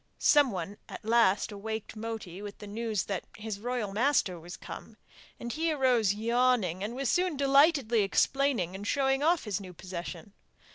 Someone at last awaked Moti with the news that his royal master was come; and he arose yawning, and was soon delightedly explaining and showing off his new possession.